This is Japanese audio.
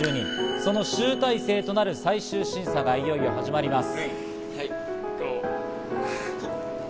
その集大成となる最終審査がいよいよ始まります。